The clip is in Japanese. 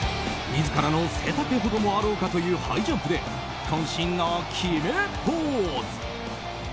自らの背丈ほどもあろうかというハイジャンプで渾身の決めポーズ。